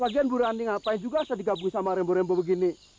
lagian buru andi ngapain juga asal digabungin sama rempuh rempuh begini